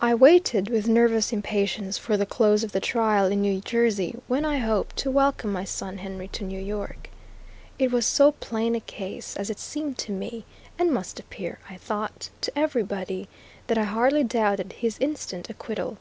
I waited with nervous impatience for the close of the trial in New Jersey, when I hoped to welcome my son Henry to New York. It was so plain a case, as it seemed to me, and must appear, I thought, to everybody, that I hardly doubted his instant acquittal.